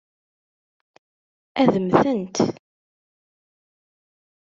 Ad mmtent?